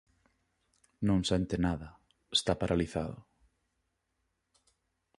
Non sente nada. Está paralizado.